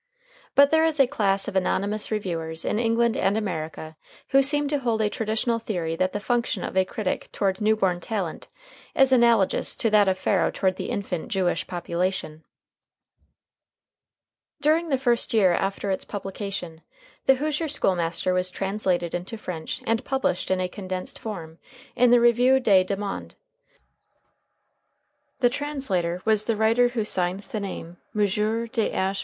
But there is a class of anonymous reviewers in England and America who seem to hold a traditional theory that the function of a critic toward new born talent is analogous to that of Pharaoh toward the infant Jewish population. During the first year after its publication "The Hoosier School Master" was translated into French and published in a condensed form in the Revue des Deux Mondes. The translator was the writer who signs the name M. Th.